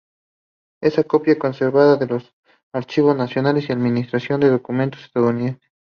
Esa copia la conservan los Archivos Nacionales y Administración de Documentos estadounidenses.